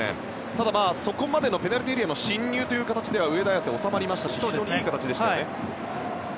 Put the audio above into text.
ただ、そこまでのペナルティーエリアへの進入という形では上田綺世、収まりましたし非常にいい形でした。